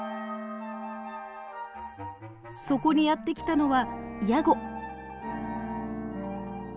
そこにやって来たのはヤゴ。